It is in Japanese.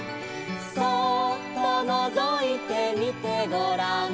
「そーっとのぞいてみてごらん」